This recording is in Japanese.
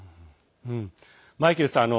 マイケルさん